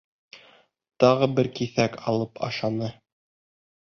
Тағы бер киҫәк алып ашаны.